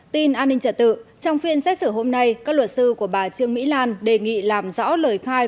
tin an ninh trả tự trong phiên xét xử hôm nay các luật sư của bà trương mỹ lan đề nghị làm rõ lời khai